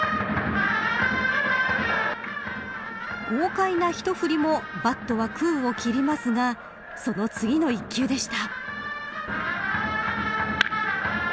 豪快な一振りもバットは空を切りますがその次の一球でした。